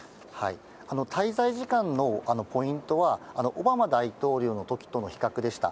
滞在時間のポイントは、オバマ大統領のときとの比較でした。